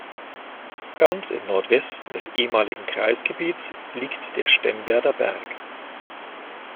Ganz im Nordwesten des ehemaligen Kreisgebiets liegt der Stemweder Berg.